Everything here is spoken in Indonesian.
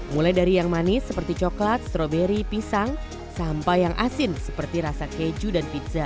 mulai dari yang manis seperti coklat stroberi pisang sampai yang asin seperti rasa keju dan pizza